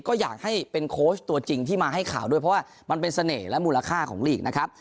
ก็อยากให้เป็นโค้ชตัวจริงที่มาให้ข่าวด้วยเพราะว่ามันเป็นเสน่ห์และมูลค่าของลีกนะครับ